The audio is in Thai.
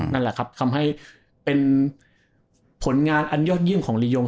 นั่นแหละครับทำให้เป็นผลงานอันยอดเยี่ยมของลียง